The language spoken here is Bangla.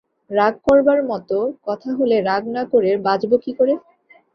রাগ করবার মতো কথা হলে রাগ না করে বাঁচব কী করে?